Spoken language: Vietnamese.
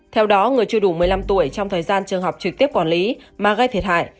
theo đó người chưa đủ một mươi năm tuổi trong thời gian trường học trực tiếp quản lý mà gây thiệt hại